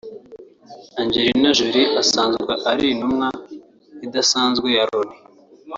Angelina Jolie usanzwe ari intumwa idasanzwe ya Loni